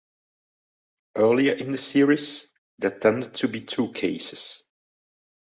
Earlier in the series, that tended to be two cases.